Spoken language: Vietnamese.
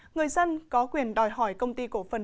người dân có quyền đòi hỏi công ty cổ phần